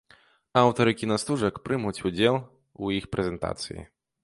Аўтары кінастужак прымуць удзел у іх прэзентацыі.